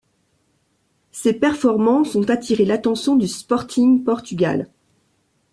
Ses performances ont attiré l'attention du Sporting Portugal.